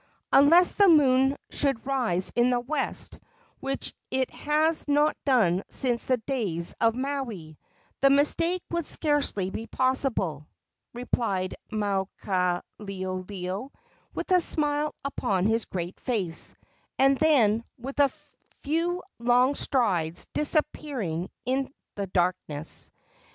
"Unless the moon should rise in the west, which it has not done since the days of Maui, the mistake would scarcely be possible," replied Maukaleoleo, with a smile upon his great face, and then, with a few long strides, disappearing in the darkness.